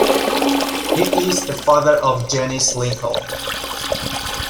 He is the father of Janice Lincoln.